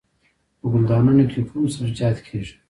په ګلدانونو کې کوم سبزیجات کیږي؟